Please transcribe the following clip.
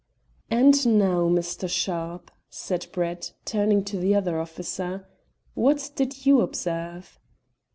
"And now, Mr. Sharpe," said Brett, turning to the other officer, "what did you observe?"